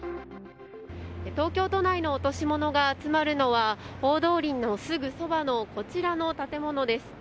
東京都内の落とし物が集まるのは大通りのすぐそばのこちらの建物です。